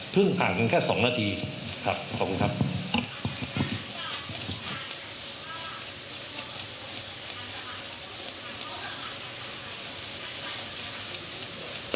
เพิ่งอ่านกันแค่๒นาทีครับขอบคุณครับ